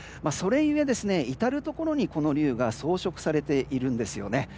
それゆえ、至るところにこの龍が装飾されているんですよね。